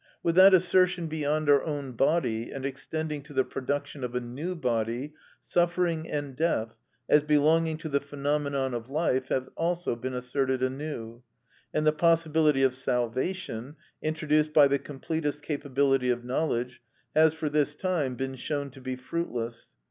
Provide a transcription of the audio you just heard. With that assertion beyond our own body and extending to the production of a new body, suffering and death, as belonging to the phenomenon of life, have also been asserted anew, and the possibility of salvation, introduced by the completest capability of knowledge, has for this time been shown to be fruitless.